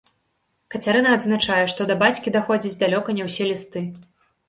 Кацярына адзначае, што да бацькі даходзяць далёка не ўсе лісты.